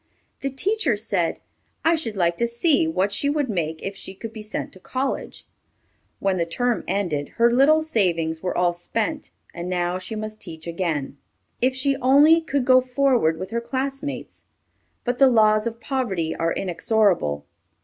The teacher said, "I should like to see what she would make if she could be sent to college." When the term ended, her little savings were all spent, and now she must teach again. If she only could go forward with her classmates! but the laws of poverty are inexorable.